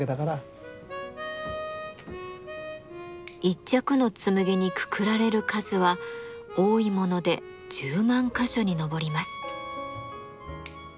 一着の紬にくくられる数は多いもので１０万か所に上ります。